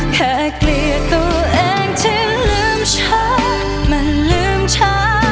เกลียดตัวเองจึงลืมช้ามันลืมช้า